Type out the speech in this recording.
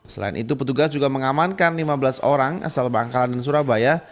selain itu petugas juga mengamankan lima belas orang asal bangkalan dan surabaya